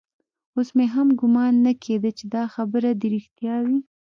اوس مې هم ګومان نه کېده چې دا خبرې دې رښتيا وي.